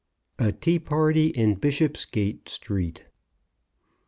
A TEA PARTY IN BISHOPSGATE STREET.